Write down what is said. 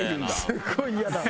すごい嫌な。